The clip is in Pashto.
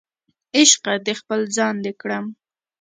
عشقه د خپل ځان دې کړم